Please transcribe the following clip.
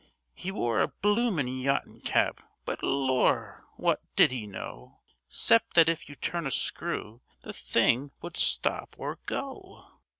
'E wore a bloomin' yachtin' cap, but Lor'! wot did 'e know, Excep' that if you turn a screw the thing would stop or go?